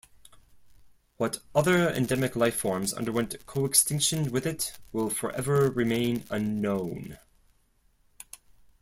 What other endemic lifeforms underwent coextinction with it will forever remain unknown.